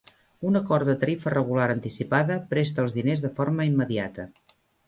Un acord de tarifa regular anticipada presta els diners de forma immediata.